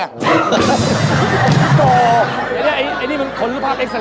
อาหารการกิน